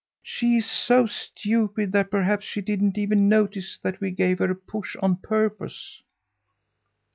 She is so stupid that perhaps she didn't even notice that we gave her a push on purpose."